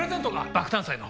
爆誕祭の。